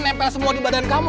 nempel semua di badan kamu